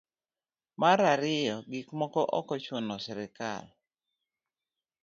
mar ariyo gik moko ok ochuno srikal